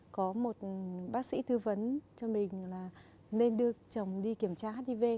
có một bác sĩ thư vấn cho mình là nên đưa chồng đi kiểm tra hát đi vê